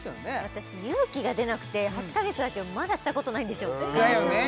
私勇気が出なくて８か月だけどまだしたことないんですよだよね